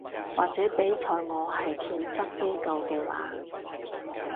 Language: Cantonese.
或者畀在我係啲檢測機構嘅話